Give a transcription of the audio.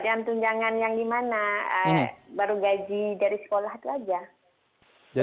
dengan tunjangan yang gimana baru gaji dari sekolah itu saja